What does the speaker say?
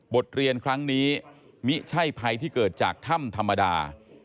บทเรียนครั้งนี้มิใช่ภัยที่เกิดจากถ้ำธรรมดา